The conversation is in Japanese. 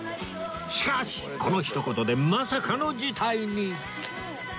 しかしこのひと言でまさかの事態に